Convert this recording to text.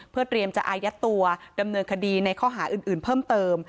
เพื่อเตรียมจะอายัดตัวดำเนินคดีในข้อหาอื่นเพิ่มเติม